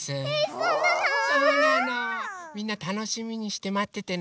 みんなたのしみにしてまっててね。